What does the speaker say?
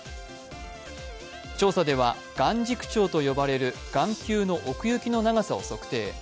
調査では眼軸長と呼ばれる眼球の奥行きの長さを測定。